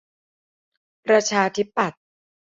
ประชาธิปัตย์